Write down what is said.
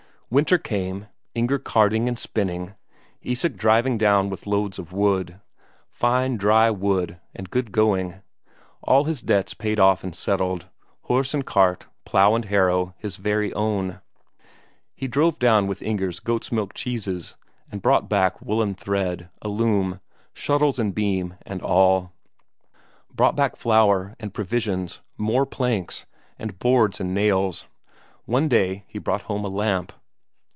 Winter came, Inger carding and spinning, Isak driving down with loads of wood; fine dry wood and good going; all his debts paid off and settled; horse and cart, plough and harrow his very own. He drove down with Inger's goats' milk cheeses, and brought back woollen thread, a loom, shuttles and beam and all; brought back flour and provisions, more planks, and boards and nails; one day he brought home a lamp.